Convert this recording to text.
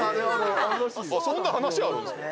そんな話あるんですか？